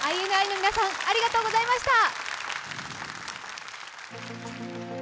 ＩＮＩの皆さん、ありがとうございました。